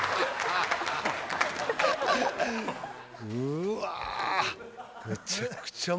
うわ。